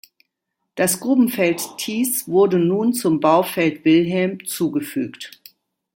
Das Grubenfeld Thies wurde nun zum Baufeld Wilhelm zugefügt.